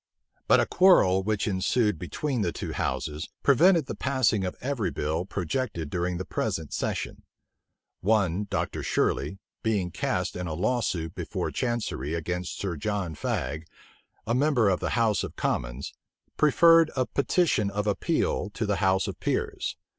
But a quarrel which ensued between the two houses, prevented the passing of every bill projected during the present session. One Dr. Shirley, being cast in a lawsuit before chancery against Sir John Fag, a member of the house of commons, preferred a petition of appeal to the house of peers.